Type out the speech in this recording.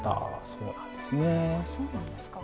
そうなんですか。